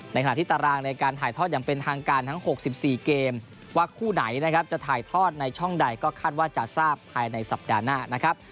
ขณะที่ตารางในการถ่ายทอดอย่างเป็นทางการทั้ง๖๔เกมว่าคู่ไหนนะครับจะถ่ายทอดในช่องใดก็คาดว่าจะทราบภายในสัปดาห์หน้านะครับ